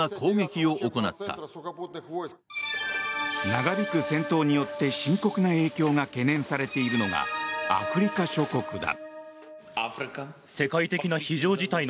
長引く戦闘によって深刻な影響が懸念されているのがアフリカ諸国だ。